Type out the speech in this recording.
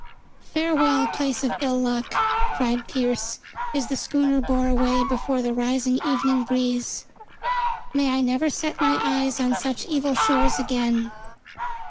"Farewell, place of ill luck!" cried Pearce, as the schooner bore away before the rising evening breeze. "May I never set my eyes on such evil shores again."